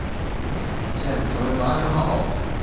现存完好。